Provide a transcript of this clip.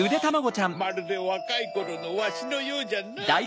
まるでわかいころのわしのようじゃなぁ。